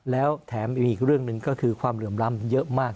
แล้วแถมอีกเรื่องหนึ่งก็คือความเหลื่อมล้ำเยอะมาก